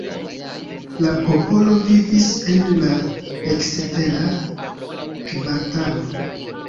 La popolo vivis en la ekstera kvartalo.